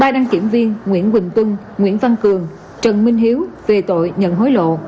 ba đăng kiểm viên nguyễn quỳnh tuân nguyễn văn cường trần minh hiếu về tội nhận hối lộ